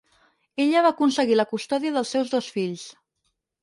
Ella va aconseguir la custòdia dels seus dos fills.